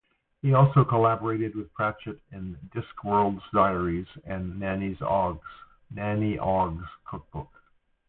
He also collaborated with Pratchett in "Discworld Diaries" and "Nanny Ogg's Cookbook".